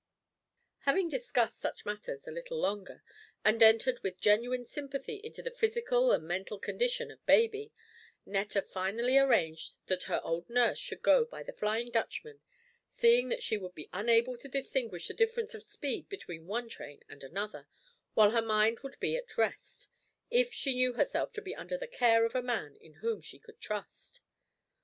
Having discussed such matters a little longer, and entered with genuine sympathy into the physical and mental condition of baby, Netta finally arranged that her old nurse should go by the Flying Dutchman, seeing that she would be unable to distinguish the difference of speed between one train and another, while her mind would be at rest, if she knew herself to be under the care of a man, in whom she could trust.